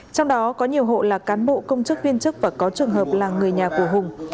trong đó có nhiều hộ là cán bộ công chức viên chức và có trường hợp là người nhà của hùng